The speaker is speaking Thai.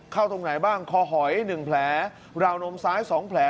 เข้าตรงไหนบ้างคอหอยให้หนึ่งแผลราวนมซ้ายสองแผล